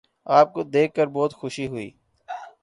آپ کو دیکھ کر بہت خوشی ہوئی